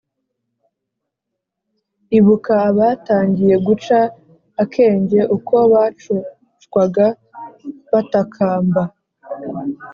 ibuka abatangiye guca akenge uko bacocwaga batakamba